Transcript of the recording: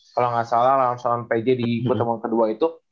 kalau nggak salah lawan lawan pg di pertemuan kedua itu